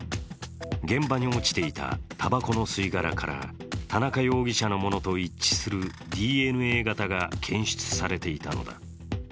現場に落ちていたたばこの吸い殻から田中容疑者のものと一致するＤＮＡ型が検出されていたのだ。